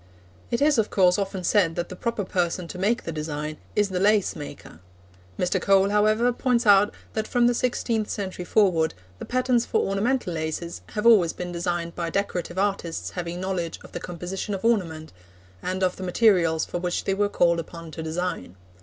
It is, of course, often said that the proper person to make the design is the lace maker. Mr. Cole, however, points out that from the sixteenth century forward the patterns for ornamental laces have always been designed by decorative artists having knowledge of the composition of ornament, and of the materials for which they were called upon to design.